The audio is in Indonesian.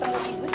habis banget ya